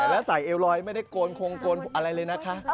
แล้วใส่เอลลอยไม่ได้โกนคงโกนอะไรเลยนะคะ